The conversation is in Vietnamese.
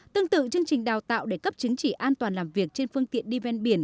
tương tự chương trình đào tạo để cấp chứng chỉ an toàn làm việc trên phương tiện đi ven biển